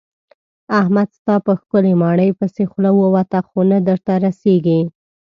احمد ستا په ښکلې ماڼۍ پسې خوله ووته خو نه درته رسېږي.